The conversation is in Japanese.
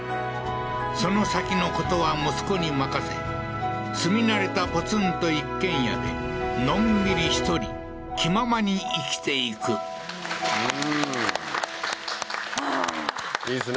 その先のことは息子に任せ住み慣れたポツンと一軒家でのんびり１人気ままに生きていくうーんああーいいですね